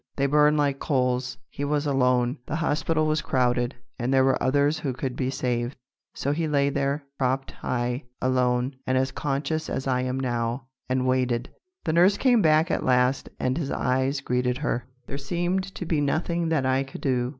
They burned like coals. He was alone. The hospital was crowded, and there were others who could be saved. So he lay there, propped high, alone, and as conscious as I am now, and waited. The nurse came back at last, and his eyes greeted her. There seemed to be nothing that I could do.